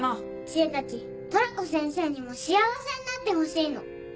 知恵たちトラコ先生にも幸せになってほしいの。